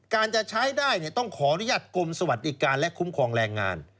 จะใช้ได้ต้องขออนุญาตกรมสวัสดิการและคุ้มครองแรงงาน